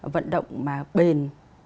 vận động bền